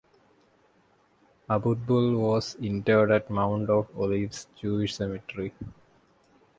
Abutbul was interred at Mount of Olives Jewish Cemetery.